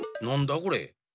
これ。